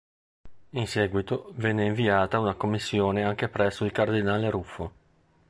In seguito, venne inviata una commissione anche presso il cardinale Ruffo.